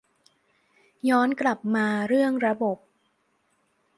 ย้อนกับมาเรื่องระบบ